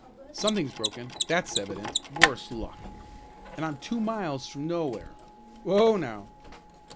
Something's broken, that's evident, worse luck! And I'm two miles from nowhere. Whoa, now!"